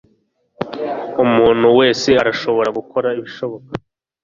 Umuntu wese arashobora gukora ibishoboka